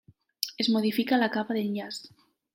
Es modifica la capa d'enllaç.